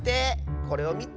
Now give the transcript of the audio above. これをみて。